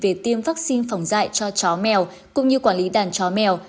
về tiêm vaccine phòng dạy cho chó mèo cũng như quản lý đàn chó mèo